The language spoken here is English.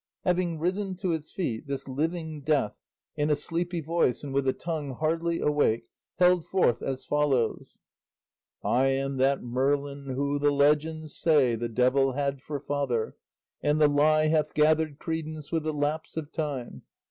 Having risen to its feet, this living death, in a sleepy voice and with a tongue hardly awake, held forth as follows: I am that Merlin who the legends say The devil had for father, and the lie Hath gathered credence with the lapse of time.